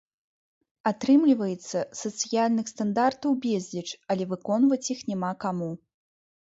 Атрымліваецца, сацыяльных стандартаў безліч, але выконваць іх няма каму.